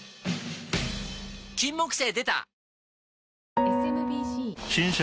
金木犀でた！